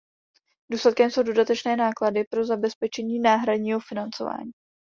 Důsledkem jsou dodatečné náklady pro zabezpečení náhradního financování.